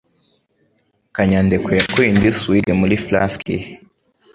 Kanyadekwe yakuye indi swig muri flask ye